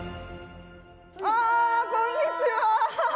あこんにちは！